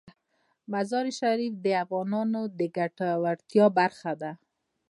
مزارشریف د افغانانو د ګټورتیا برخه ده.